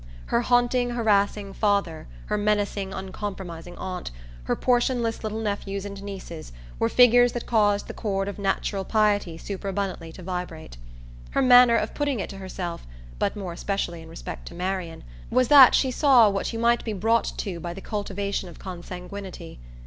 Her haunting harassing father, her menacing uncompromising aunt, her portionless little nephews and nieces, were figures that caused the chord of natural piety superabundantly to vibrate. Her manner of putting it to herself but more especially in respect to Marian was that she saw what you might be brought to by the cultivation of consanguinity.